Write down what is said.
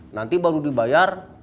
nanti baru dibayar